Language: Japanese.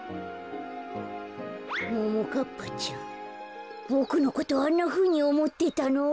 ももかっぱちゃんボクのことあんなふうにおもってたの？